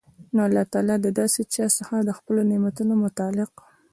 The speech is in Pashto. نو الله تعالی د داسي چا څخه د خپلو نعمتونو متعلق